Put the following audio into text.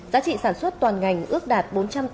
giá trị sản xuất toàn ngành ước đạt